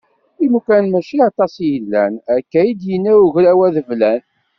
Imukan mačči aṭas i yellan, akka i d-yenna ugraw adeblan.